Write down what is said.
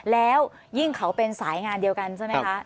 แล้วยิ่งเขาเป็นสายงานเดียวกันใช่ไหมคะ